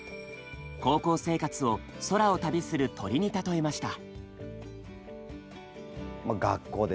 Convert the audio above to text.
高校生活を空を旅する鳥に例えました。